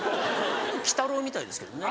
鬼太郎みたいですけどね。